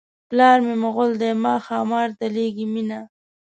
پلار مې مغل دی ما ښامار ته لېږي مینه.